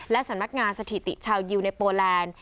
และสำนักงานสถิติชาวยิวในโปแลนด์